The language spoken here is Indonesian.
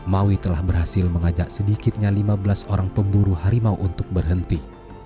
maui telah berhasil mengajak sedikitnya lima belas orang pemburu harimau untuk berhenti